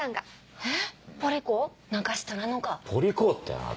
えっ！